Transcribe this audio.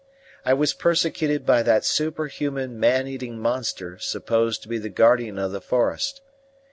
I was persecuted by that superhuman man eating monster supposed to be the guardian of the forest.